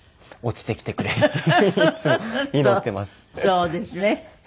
そうですね。